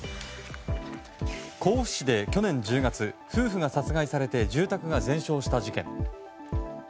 甲府市で去年１０月夫婦が殺害されて住宅が全焼した事件。